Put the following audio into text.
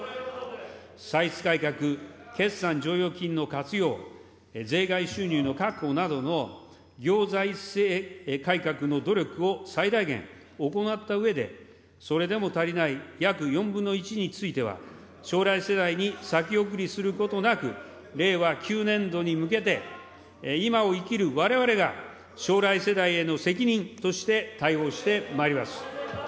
歳出改革、決算剰余金の活用、税外収入の確保などの行財政改革の努力を最大限行ったうえで、それでも足りない約４分の１については、将来世代に先送りすることなく、令和９年度に向けて、今を生きるわれわれが将来世代への責任として対応してまいります。